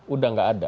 udah gak ada